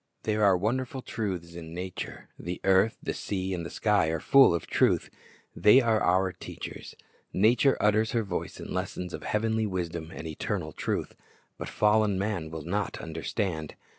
There are wonderful truths in nature. The earth, the sea, and the sky are full of truth. They are our teachers. Nature utters her voice in lessons of heavenly wisdom and eternal truth. But fallen man will not understand.